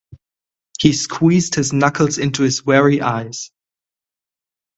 He squeezed his knuckles into his weary eyes.